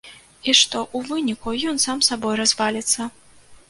І што ў выніку ён сам сабой разваліцца.